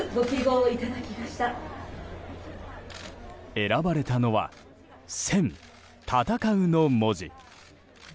選ばれたのは、「戦」の文字。